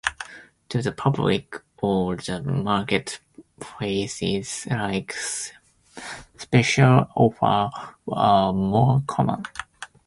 To the public or the market, phrases like "special offer" are more common.